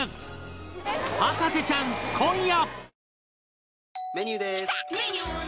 『博士ちゃん』今夜！